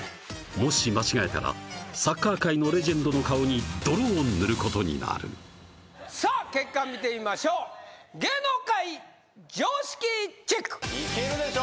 もし間違えたらサッカー界のレジェンドの顔に泥を塗ることになるさあ結果見てみましょう芸能界常識チェックいけるでしょ